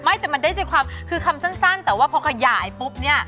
ไม่แต่มันได้ใจความคือคำสั้นแต่ว่าพอขยายปุ๊บเนี่ย